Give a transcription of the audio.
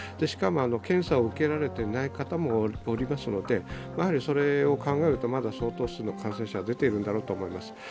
しかも検査を受けられてない方もおりますので、それを考えるとまだ相当数の感染者が出ているんだろうと思います。